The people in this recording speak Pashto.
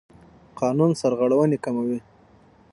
قانون سرغړونې کموي.